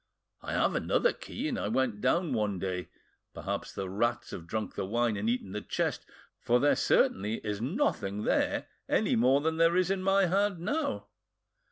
I have another key, and I went down one day; perhaps the rats have drunk the wine and eaten the chest, for there certainly is nothing there any more than there is in my hand now.